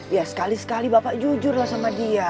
ya sekali sekali bapak jujur lah sama dia